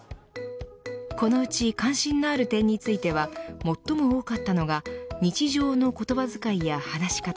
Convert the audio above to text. このうち関心のある点については最も多かったのが日常の言葉遣いや話し方。